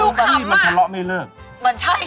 อื้มน้ำปลาไหลใส่สังเกตเป็นแบบนี้เองอ่ะอื้มน้ำปลาไหล